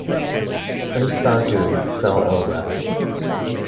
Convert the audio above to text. Prince Baudouin fell ill there.